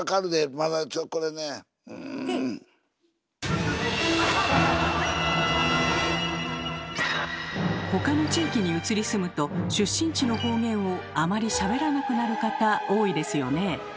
まだちょっとこれねん⁉ほかの地域に移り住むと出身地の方言をあまりしゃべらなくなる方多いですよね。